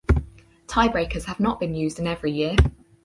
Tie breakers have not been used in every year.